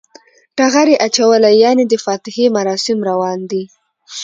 ټغر یی اچولی یعنی د فاتحی مراسم روان دی